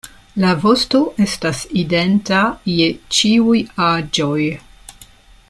La vosto estas identa je ĉiuj aĝoj.